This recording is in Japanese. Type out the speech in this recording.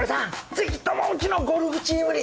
ぜひともうちのゴルフチームに！